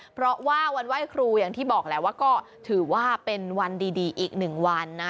เพราะว่าวันไหว้ครูอย่างที่บอกแหละว่าก็ถือว่าเป็นวันดีอีกหนึ่งวันนะ